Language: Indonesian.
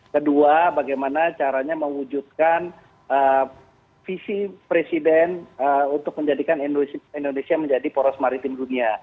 kedua bagaimana caranya mewujudkan visi presiden untuk menjadikan indonesia menjadi poros maritim dunia